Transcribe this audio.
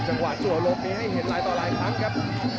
จังหวะจัวลมนี้ให้เห็นหลายต่อหลายครั้งครับ